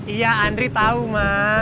iya andri tau ma